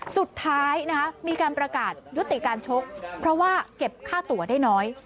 สุดท้ายนะคะมีการประกาศยุติการชกเพราะว่าเก็บค่าตัวได้น้อย